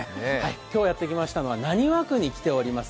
今日やって来ましたのは浪速区に来ております